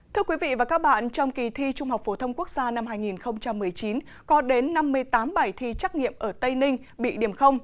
thưa quý vị và các bạn trong kỳ thi trung học phổ thông quốc gia năm hai nghìn một mươi chín có đến năm mươi tám bài thi trắc nghiệm ở tây ninh bị điểm